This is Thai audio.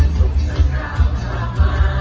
สวัสดีครับ